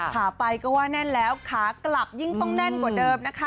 ขาไปก็ว่าแน่นแล้วขากลับยิ่งต้องแน่นกว่าเดิมนะคะ